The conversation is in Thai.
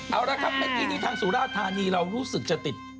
เอาละครับในที่นี้ทางสุราธานีเรารู้สึกจะติด